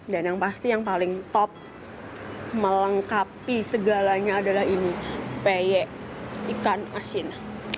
dan yang pasti yang paling top melengkapi segalanya adalah ini peyek ikan asin